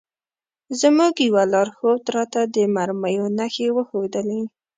زموږ یوه لارښود راته د مرمیو نښې وښودلې.